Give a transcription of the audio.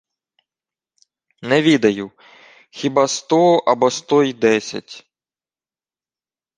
— Не відаю. Хіба сто або сто й десять...